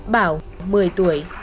bảo một mươi tuổi